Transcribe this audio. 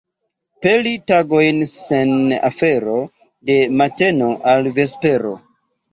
Peli tagojn sen afero de mateno al vespero.